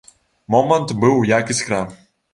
Момант быў як іскра.